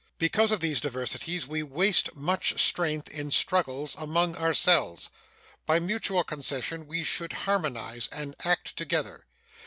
Because of these diversities we waste much strength in struggles among ourselves. By mutual concession we should harmonize and act together.